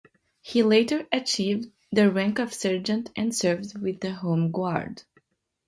He later achieved the rank of Sergeant and served with the Home Guard.